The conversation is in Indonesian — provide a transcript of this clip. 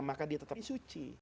maka dia tetap suci